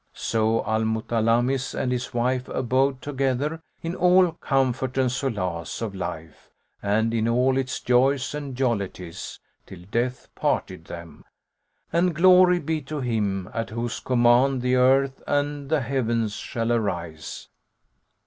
So Al Mutalammis and his wife abode together in all comfort and solace of life and in all its joys and jollities till death parted them. And glory be to Him at whose command the earth and the heavens shall arise!